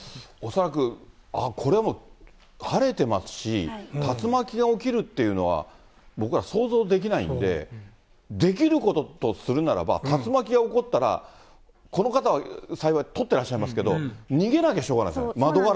恐らく、これ晴れてますし、竜巻が起きるっていうのは、僕ら、想像できないんで、できることとするならば、竜巻が起こったら、この方は幸い、撮ってらっしゃいますけど、逃げなきゃしょうがない。